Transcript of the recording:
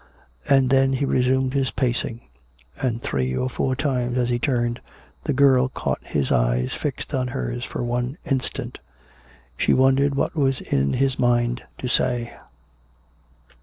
And then he resumed his pacing; and, three or four times as he turned, the girl caught his eyes fixed on hers for one instant. She wondered what was in his mind to say.